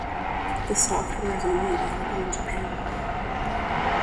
This software is only available in Japan.